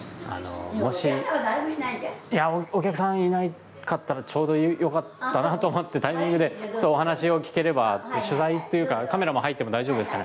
いやお客さんいなかったらちょうどよかったなと思ってタイミングでお話を聞ければ取材っていうかカメラも入っても大丈夫ですか？